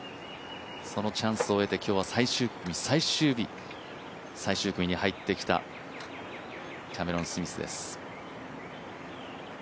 そのチャンスを得て、今日は最終日最終組に入ってきたキャメロン・スミスです。